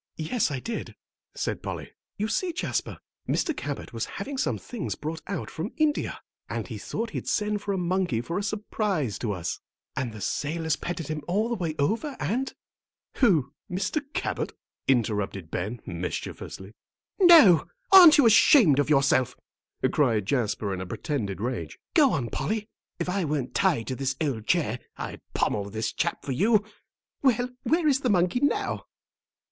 "Yes, I did," said Polly. "You see, Jasper, Mr. Cabot was having some things brought out from India, and he thought he'd send for a monkey for a surprise to us. And the sailors petted him all the way over, and " "Who, Mr. Cabot?" interrupted Ben, mischievously. "No; aren't you ashamed of yourself," cried Jasper, in a pretended rage. "Go on, Polly. If I weren't tied to this old chair I'd pommel this chap for you. Well, where is the monkey now?"